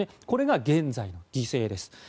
これが現在の犠牲です。